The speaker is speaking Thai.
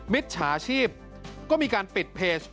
มิจฉาชีพก็มีการปิดเพจ